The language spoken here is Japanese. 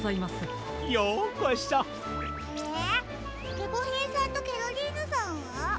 ゲコヘイさんとケロリーヌさんは？